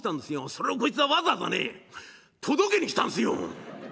それをこいつがわざわざね届けに来たんすよ！」。